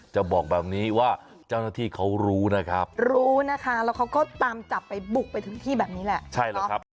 จะบอกแบบนี้ว่าเจ้าหน้าที่เขารู้นะครับรู้นะคะแล้วเขาก็ตามจับไปบุกไปถึงที่แบบนี้แหละใช่แล้วครับ